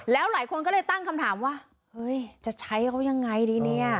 แล้วหลายคนก็เลยตั้งคำถามว่าเฮ้ยจะใช้เขายังไงดีเนี่ย